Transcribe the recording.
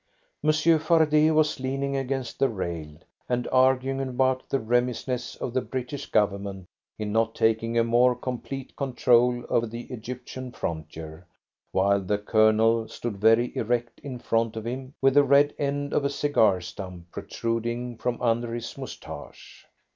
Monsieur Fardet was leaning against the rail, and arguing about the remissness of the British Government in not taking a more complete control of the Egyptian frontier, while the Colonel stood very erect in front of him, with the red end of a cigar stump protruding from under his moustache.